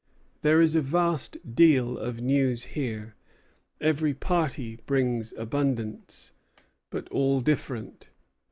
"There is a vast deal of news here; every party brings abundance, but all different."